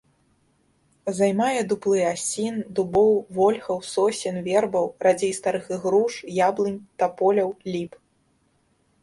Займае дуплы асін, дубоў, вольхаў, сосен, вербаў, радзей старых ігруш, яблынь, таполяў, ліп.